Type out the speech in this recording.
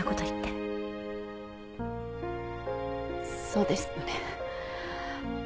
そうですよね。